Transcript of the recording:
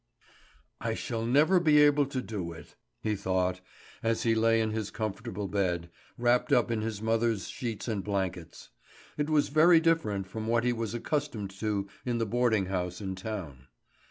"I shall never be able to do it," he thought, as he lay in his comfortable bed, wrapped up in his mother's sheets and blankets. It was very different from what he was accustomed to in the boarding house in town.